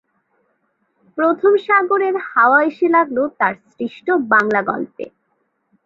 প্রথম সাগরের হাওয়া এসে লাগল তার সৃষ্ট বাংলা গল্পে।